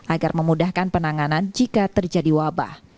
agar memudahkan penanganan jika terjadi wabah